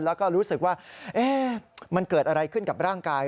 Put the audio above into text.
แล้วก็รู้สึกว่ามันเกิดอะไรขึ้นกับร่างกาย